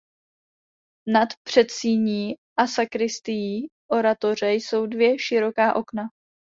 Nad předsíní a sakristií oratoře jsou dvě široká okna.